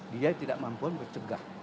dia tidak mampuan mencegah